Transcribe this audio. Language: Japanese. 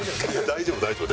大丈夫大丈夫。